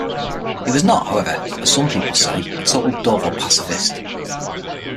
He was not, however, as some people say, a total dove or pacifist.